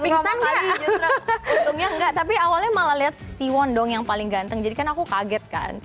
pingsan untungnya enggak tapi awalnya malah lihat siwon dong yang paling ganteng jadi kan aku kaget kan